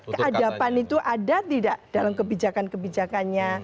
keadaban itu ada tidak dalam kebijakan kebijakannya